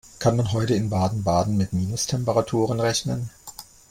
Kann man heute in Baden-Baden mit Minustemperaturen rechnen?